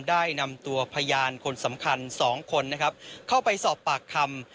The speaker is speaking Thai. ได้นำตัวพยานคนสำคัญสองคนนะครับเข้าไปสอบปากคำ